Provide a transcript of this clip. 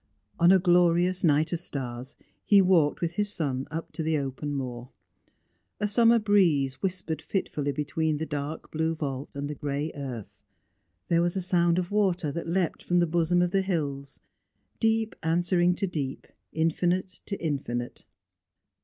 On a glorious night of stars, he walked with his son up to the open moor. A summer breeze whispered fitfully between the dark blue vault and the grey earth; there was a sound of water that leapt from the bosom of the hills; deep answering to deep, infinite to infinite.